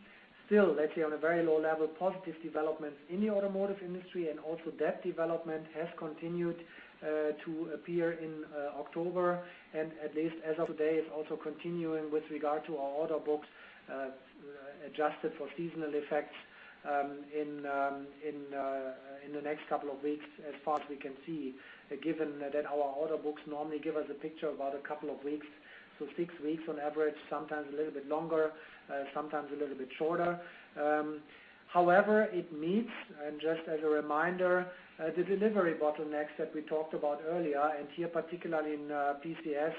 still, let's say, on a very low level, positive developments in the automotive industry. Also that development has continued to appear in October. At least as of today, is also continuing with regard to our order books, adjusted for seasonal effects. In the next couple of weeks, as far as we can see, given that our order books normally give us a picture of about a couple of weeks. Six weeks on average, sometimes a little bit longer, sometimes a little bit shorter. However, it meets, and just as a reminder, the delivery bottlenecks that we talked about earlier and here, particularly in PCS,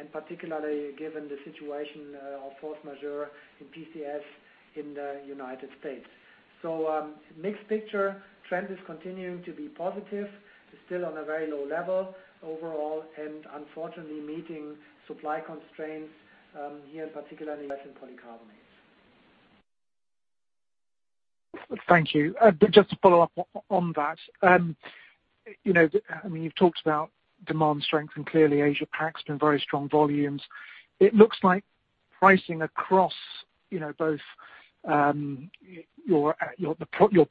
and particularly given the situation of force majeure in PCS in the United States. Mixed picture. Trend is continuing to be positive. It's still on a very low level overall, and unfortunately meeting supply constraints here, particularly in polycarbonate. Thank you. Just to follow up on that. You've talked about demand strength and clearly Asia PAC has been very strong volumes. It looks like pricing across both your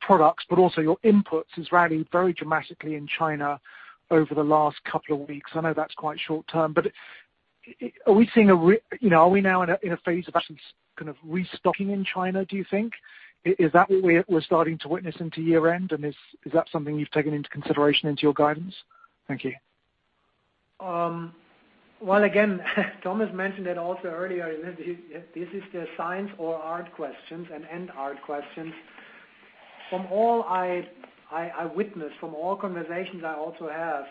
products, but also your inputs, has rallied very dramatically in China over the last couple of weeks. I know that's quite short term, but are we now in a phase of actually restocking in China, do you think? Is that what we're starting to witness into year-end, and is that something you've taken into consideration into your guidance? Thank you. Well, again, Thomas mentioned it also earlier. This is the science or art questions and end art questions. From all I witness, from all conversations I also have,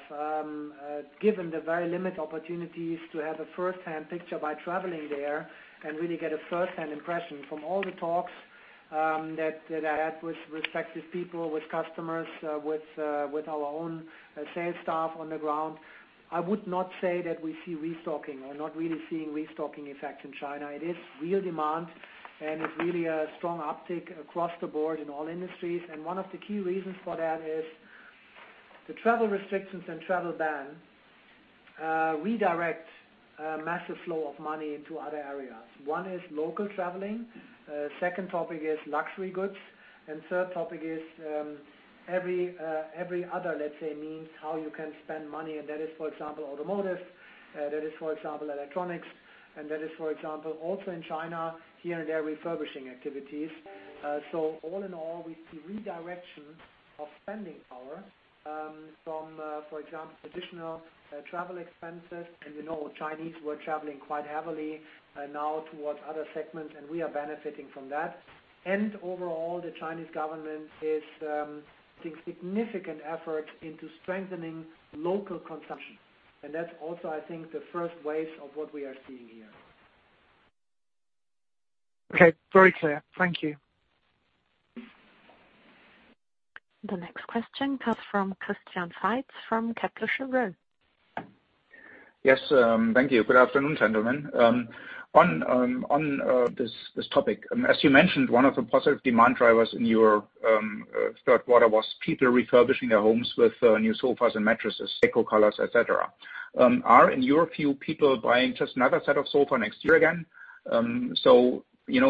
given the very limited opportunities to have a first-hand picture by traveling there and really get a first-hand impression. From all the talks that I had with respective people, with customers, with our own sales staff on the ground, I would not say that we see restocking. We're not really seeing restocking effect in China. It is real demand and it's really a strong uptick across the board in all industries. One of the key reasons for that is the travel restrictions and travel ban redirect massive flow of money into other areas. One is local traveling, second topic is luxury goods, and third topic is every other, let's say, means how you can spend money. That is, for example, automotive. That is, for example, electronics. That is, for example, also in China, here and there refurbishing activities. All in all, we see redirection of spending power from, for example, additional travel expenses. We know Chinese were traveling quite heavily now towards other segments, and we are benefiting from that. Overall, the Chinese government is putting significant effort into strengthening local consumption. That's also, I think, the first waves of what we are seeing here. Okay, very clear. Thank you. The next question comes from Christian Faitz from Kepler Cheuvreux. Yes, thank you. Good afternoon, gentlemen. On this topic, as you mentioned, one of the positive demand drivers in your third quarter was people refurbishing their homes with new sofas and mattresses, deco colors, et cetera. Are, in your view, people buying just another set of sofa next year again?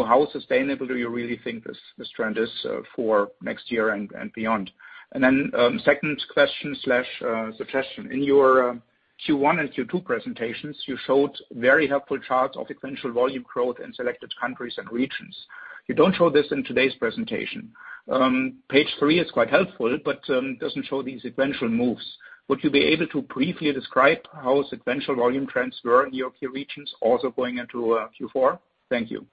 How sustainable do you really think this trend is for next year and beyond? Second question/suggestion. In your Q1 and Q2 presentations, you showed very helpful charts of sequential volume growth in selected countries and regions. You don't show this in today's presentation. Page three is quite helpful but doesn't show these sequential moves. Would you be able to briefly describe how sequential volume trends were in your key regions also going into Q4? Thank you.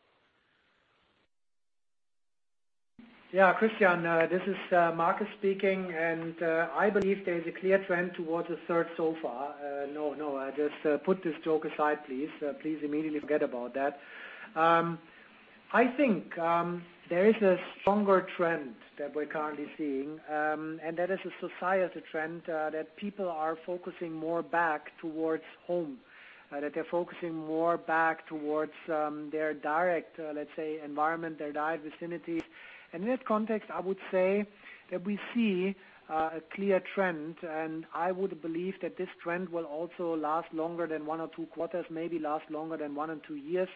Yeah, Christian, this is Markus speaking. I believe there is a clear trend towards a third sofa. No, just put this joke aside, please. Please immediately forget about that. I think there is a stronger trend that we're currently seeing. That is a society trend that people are focusing more back towards home. That they're focusing more back towards their direct, let's say, environment, their direct vicinity. In that context, I would say that we see a clear trend, and I would believe that this trend will also last longer than one or two quarters, maybe last longer than one and two years.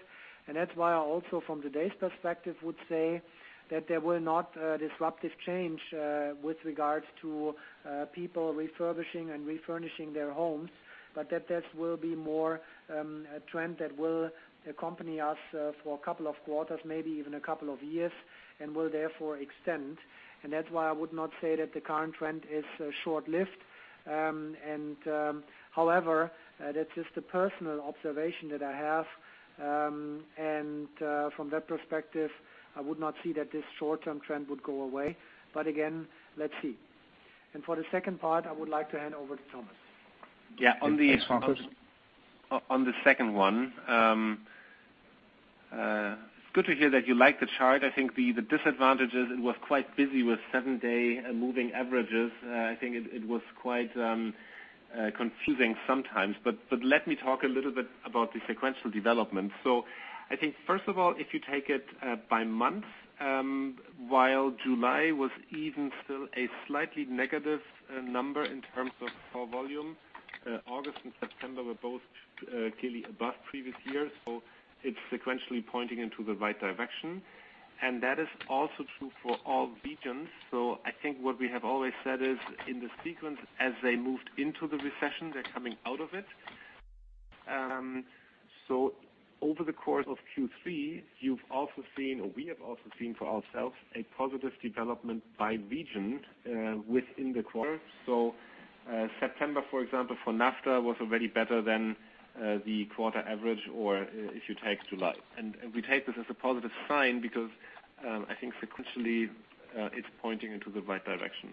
That's why I also, from today's perspective, would say that there will not a disruptive change with regards to people refurbishing and refurnishing their homes, but that will be more a trend that will accompany us for a couple of quarters, maybe even a couple of years, and will therefore extend. That's why I would not say that the current trend is short-lived. However, that's just a personal observation that I have. From that perspective, I would not see that this short-term trend would go away. Again, let's see. For the second part, I would like to hand over to Thomas. Yeah. Thanks, Markus. On the second one. It's good to hear that you like the chart. I think the disadvantage is it was quite busy with seven-day moving averages. I think it was quite confusing sometimes. Let me talk a little bit about the sequential development. I think first of all, if you take it by month, while July was even still a slightly negative number in terms of core volume, August and September were both clearly above previous years. It's sequentially pointing into the right direction. That is also true for all regions. I think what we have always said is in the sequence, as they moved into the recession, they're coming out of it. Over the course of Q3, we have also seen for ourselves a positive development by region within the quarter. September, for example, for NAFTA was already better than the quarter average, or if you take July. We take this as a positive sign because I think sequentially, it's pointing into the right direction.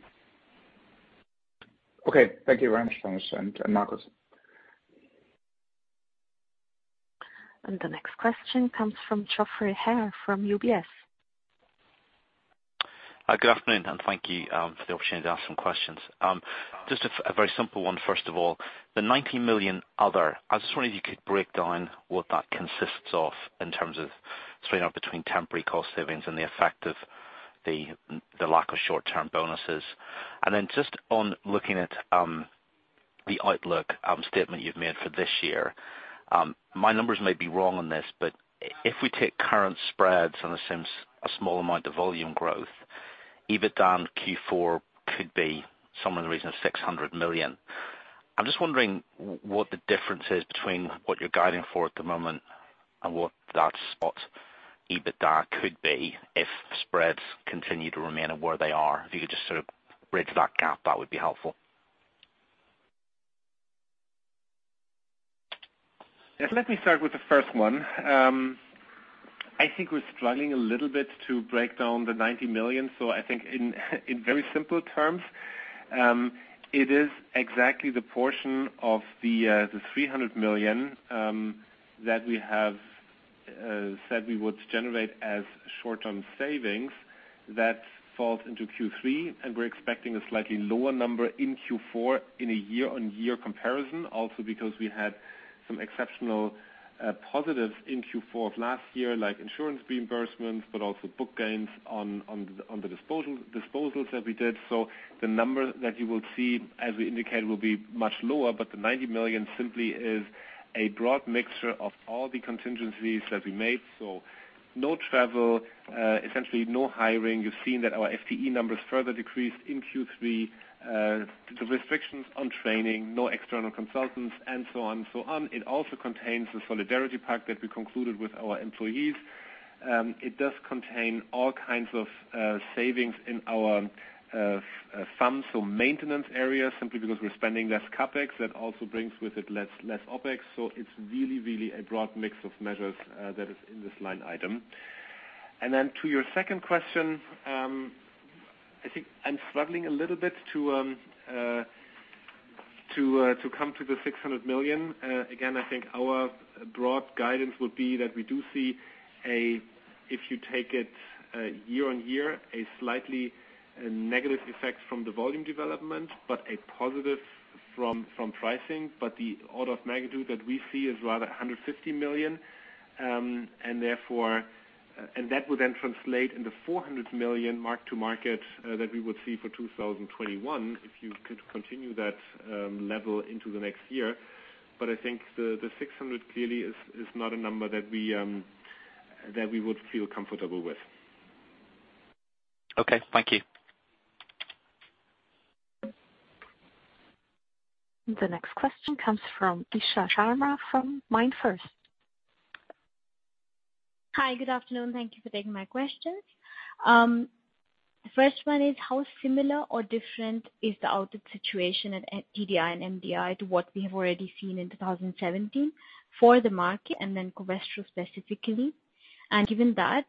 Okay. Thank you very much, Thomas and Markus. The next question comes from Geoffrey Haire from UBS. Good afternoon, and thank you for the opportunity to ask some questions. Just a very simple one, first of all. The 90 million other, I just wondered if you could break down what that consists of in terms of between temporary cost savings and the effect of the lack of short-term bonuses. Then just on looking at the outlook statement you've made for this year. My numbers may be wrong on this, but if we take current spreads and assume a small amount of volume growth, EBITDA in Q4 could be somewhere in the region of 600 million. I'm just wondering what the difference is between what you're guiding for at the moment and what that spot EBITDA could be if spreads continue to remain where they are. If you could just sort of bridge that gap, that would be helpful. Yes, let me start with the first one. I think we're struggling a little bit to break down the 90 million. I think in very simple terms, it is exactly the portion of the 300 million that we have said we would generate as short-term savings that falls into Q3, and we're expecting a slightly lower number in Q4 in a year-on-year comparison. Also because we had some exceptional positives in Q4 of last year, like insurance reimbursements, but also book gains on the disposals that we did. The number that you will see as we indicated, will be much lower, but the 90 million simply is a broad mixture of all the contingencies that we made. No travel, essentially no hiring. You've seen that our FTE numbers further decreased in Q3. The restrictions on training, no external consultants and so on. It also contains the solidarity pact that we concluded with our employees. It does contain all kinds of savings in our sums for maintenance area, simply because we're spending less CapEx. That also brings with it less OpEx. It's really a broad mix of measures that is in this line item. To your second question, I think I'm struggling a little bit to come to the 600 million. Again, I think our broad guidance would be that we do see a, if you take it year-over-year, a slightly negative effect from the volume development, but a positive from pricing. The order of magnitude that we see is rather 150 million. That would then translate into 400 million mark-to-market that we would see for 2021 if you could continue that level into the next year. I think the 600 clearly is not a number that we would feel comfortable with. Okay. Thank you. The next question comes from Isha Sharma from MainFirst. Hi, good afternoon. Thank you for taking my questions. The first one is how similar or different is the outage situation at TDI and MDI to what we have already seen in 2017 for the market, and then Covestro specifically? Given that,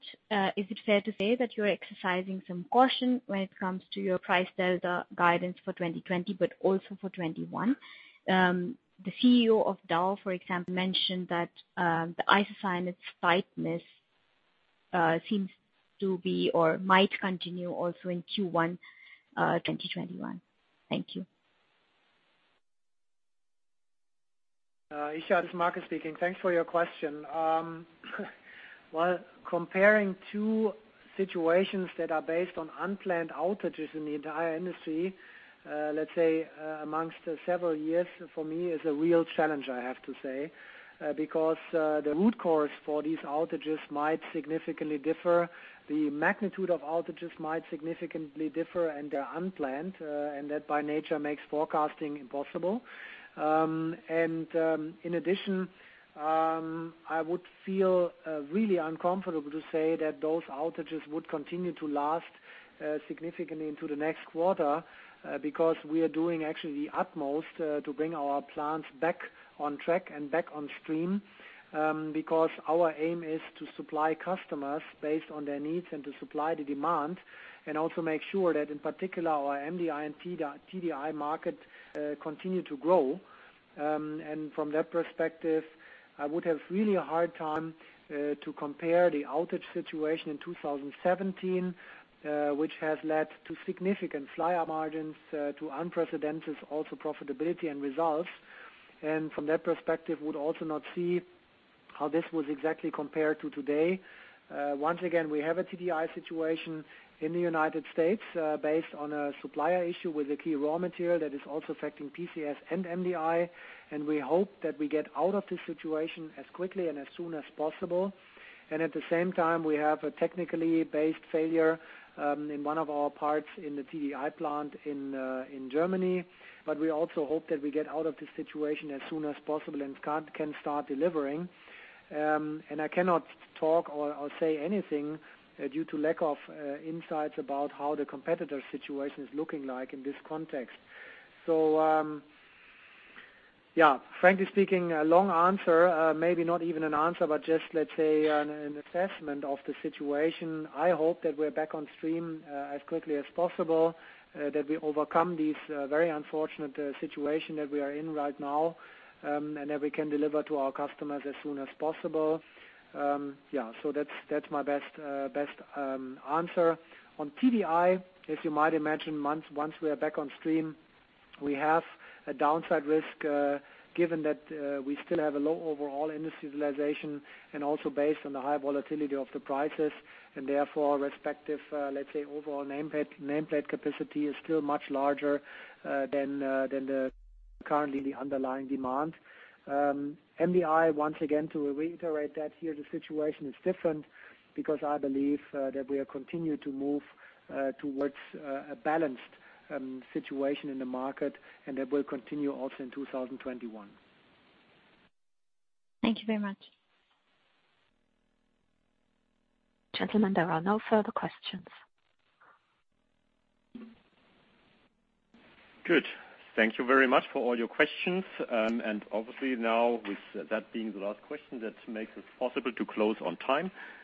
is it fair to say that you're exercising some caution when it comes to your pricing delta guidance for 2020, but also for 2021? The CEO of Dow, for example, mentioned that the isocyanates tightness seems to be or might continue also in Q1 2021. Thank you. Isha, this is Markus speaking. Thanks for your question. Well, comparing two situations that are based on unplanned outages in the entire industry, let's say amongst several years, for me is a real challenge, I have to say. The root cause for these outages might significantly differ. The magnitude of outages might significantly differ, and they're unplanned, and that by nature makes forecasting impossible. In addition, I would feel really uncomfortable to say that those outages would continue to last significantly into the next quarter because we are doing actually the utmost to bring our plants back on track and back on stream. Because our aim is to supply customers based on their needs and to supply the demand, and also make sure that, in particular, our MDI and TDI market continue to grow. From that perspective, I would have really a hard time to compare the outage situation in 2017, which has led to significant fly-up margins, to unprecedented also profitability and results. From that perspective, would also not see how this was exactly compared to today. Once again, we have a TDI situation in the United States based on a supplier issue with a key raw material that is also affecting PCS and MDI, and we hope that we get out of this situation as quickly and as soon as possible. At the same time, we have a technically-based failure in one of our parts in the TDI plant in Germany. We also hope that we get out of this situation as soon as possible and can start delivering. I cannot talk or say anything due to lack of insights about how the competitor situation is looking like in this context. Frankly speaking, a long answer, maybe not even an answer, but just let's say an assessment of the situation. I hope that we're back on stream as quickly as possible, that we overcome this very unfortunate situation that we are in right now, and that we can deliver to our customers as soon as possible. Yeah. That's my best answer. On TDI, as you might imagine, once we are back on stream, we have a downside risk given that we still have a low overall industry utilization and also based on the high volatility of the prices and therefore respective, let's say overall nameplate capacity is still much larger than currently the underlying demand. MDI, once again, to reiterate that here, the situation is different because I believe that we are continuing to move towards a balanced situation in the market, and that will continue also in 2021. Thank you very much. Gentlemen, there are no further questions. Good. Thank you very much for all your questions. Obviously, now with that being the last question, that makes it possible to close on time.